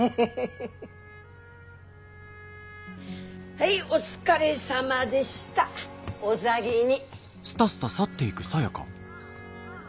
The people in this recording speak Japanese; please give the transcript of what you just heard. はいお疲れさまでしたお先に。